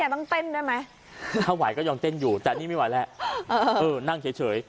ถ้าไหวย้ม้องเต้นอยู่แล้วนี่ไม่ไหวแล้วนั่งเฉย